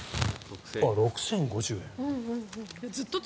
６０５０円。